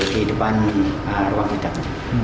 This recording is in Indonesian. di depan ruang hidupnya